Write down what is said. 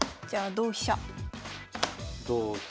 同飛車。